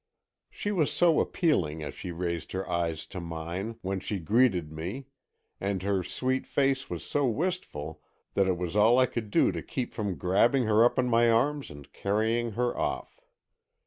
She was so appealing as she raised her eyes to mine, when she greeted me, and her sweet face was so wistful, that it was all I could do to keep from grabbing her up in my arms and carrying her off.